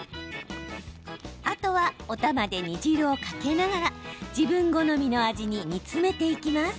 あとはおたまで煮汁をかけながら自分好みの味に煮詰めていきます。